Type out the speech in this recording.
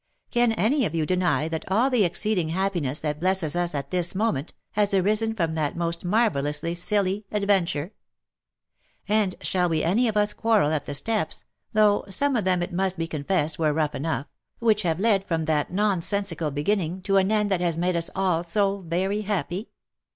Can any of you deny that all the exceeding happiness that blesses us at this moment, has arisen from that most marvellously silly adventure ? And shall w 7 e any of us quarrel at the steps (though some of them it must be confessed were rough enough), which have led from that non* sensical beginning, to an end that has made us all so very happy